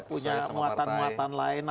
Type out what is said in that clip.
punya muatan muatan lain